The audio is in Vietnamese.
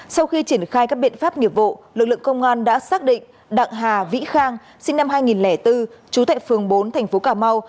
sau khi triển khai các biện pháp nghiệp vụ lực lượng công an đã xác định đặng hà vĩ khang sinh năm hai nghìn bốn chú tại phường bốn thành phố cà mau